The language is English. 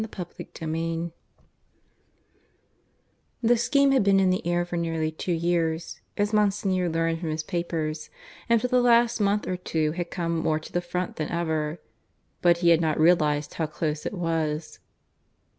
CHAPTER V (I) The scheme had been in the air for nearly two years, as Monsignor learned from his papers; and for the last month or two had come more to the front than ever. But he had not realized how close it was.